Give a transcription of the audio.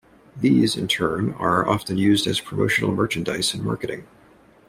These, in turn are often used as promotional merchandise in marketing.